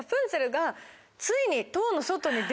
ついに。